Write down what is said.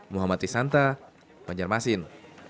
muhammad risanta banjarmasin